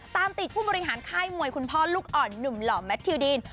ตามติดผู้บริหารค่ายมวยคุณพ่อลูกอ่อนหนุ่มหล่อแมททิวดีน